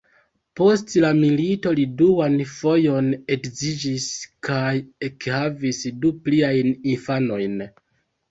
Post la milito li duan fojon edziĝis kaj ekhavis du pliajn infanojn.